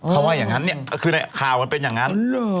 เขาว่าอย่างนั้นเนี่ยคือในข่าวมันเป็นอย่างนั้น